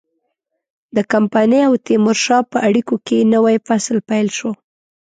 د کمپنۍ او تیمورشاه په اړیکو کې نوی فصل پیل شو.